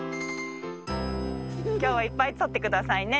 きょうはいっぱいとってくださいね。